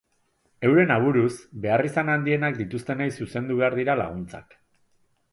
Euren aburuz, beharrizan handienak dituztenei zuzendu behar dira laguntzak.